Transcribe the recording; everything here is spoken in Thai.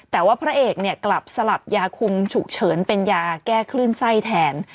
แต่ว่าพระเอกเนี่ยกลับสลับยาคุมฉุกเฉินเป็นยาแก้คลื่นไส้แทน